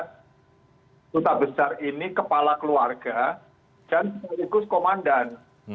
kota besar ini kepala keluarga dan sekaligus komandan